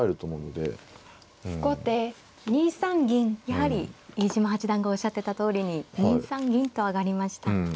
やはり飯島八段がおっしゃってたとおりに２三銀と上がりました。